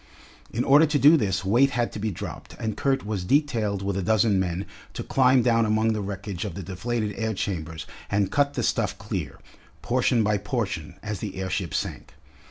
In order to do this weight had to be dropped, and Kurt was detailed with a dozen men to climb down among the wreckage of the deflated air chambers and cut the stuff clear, portion by portion, as the airship sank.